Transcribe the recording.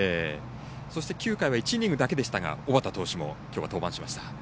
そして９回は１イニングだけでしたが小畠投手もきょうは登板しました。